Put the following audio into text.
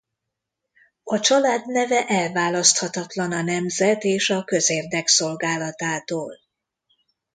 A család neve elválaszthatatlan a nemzet és a közérdek szolgálatától.